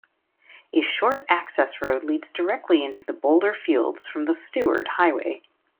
A short access road leads directly into the boulder fields from the Stuart Highway.